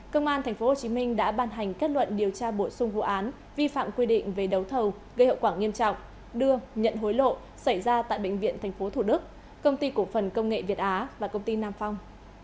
công an tp hcm đã ban hành kết luận điều tra bổ sung vụ án vi phạm quy định về đấu thầu gây hậu quả nghiêm trọng đưa nhận hối lộ xảy ra tại bệnh viện tp thủ đức công ty cổ phần công nghệ việt á và công ty nam phong